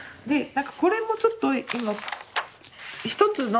これもちょっと今一つの。